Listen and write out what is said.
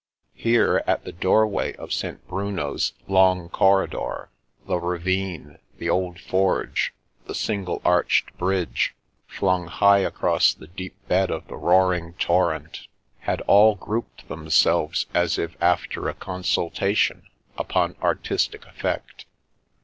Here, — at the doorway of St. Bruno's long corri dor, — ^the ravine, the old forge, the single arched bridge flung high across the deep bed of the roaring torrent, had all grouped themselves as if after a con sultation upon artistic effect.